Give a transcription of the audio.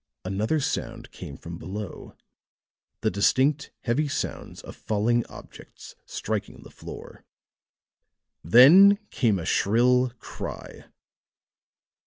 Another sound came from below, the distinct, heavy sounds of falling objects striking the floor. Then came a shrill cry.